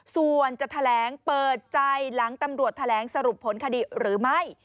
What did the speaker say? ส่วนจะแถลงเปิดใจหลังตำรวจแถลงสรุปผลคดีหรือไม่